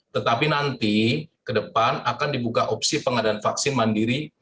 tetapi nanti ke depan akan dibuka opsi pengadaan vaksin mandiri